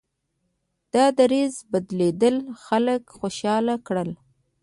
د دریځ بدلېدل خلک خوشحاله کړل.